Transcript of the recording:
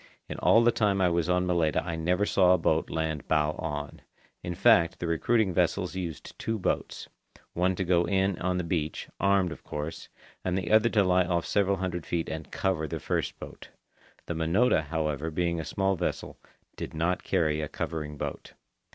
In all the time I was on Malaita I never saw a boat land bow on. In fact, the recruiting vessels use two boats—one to go in on the beach, armed, of course, and the other to lie off several hundred feet and "cover" the first boat. The Minota, however, being a small vessel, did not carry a covering boat.